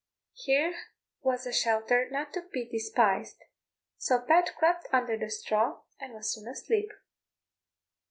Here was a shelter not to be despised; so Pat crept under the straw, and was soon asleep.